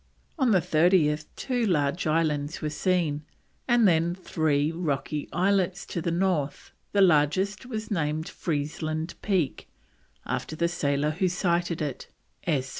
On the 30th two large islands were seen, and then three rocky islets to the north; the largest was named Freezeland Peak, after the sailor who sighted it, S.